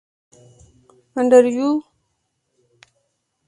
انډریو.